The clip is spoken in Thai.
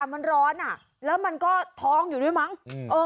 มันร้อนอ่ะแล้วมันก็ท้องอยู่ด้วยมั้ง